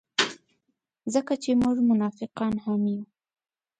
ځکه چې موږ منافقان هم یو.